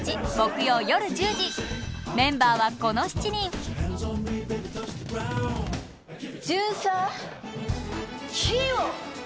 メンバーはこの７人巡査火を！